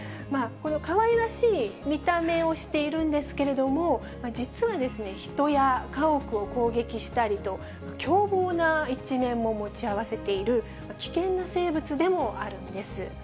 かわいらしい見た目をしているんですけれども、実はですね、人や家屋を攻撃したりと、凶暴な一面も持ち合わせている、危険な生物でもあるんです。